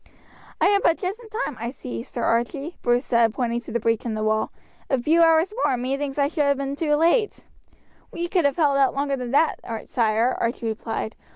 "I am but just in time I see, Sir Archie," Bruce said, pointing to the breach in the wall; "a few hours more and methinks that I should have been too late." "We could have held out longer than that, sire," Archie replied.